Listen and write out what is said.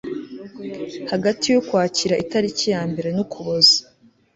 hagati y'ukwakira itariki ya mbere n'ukuboza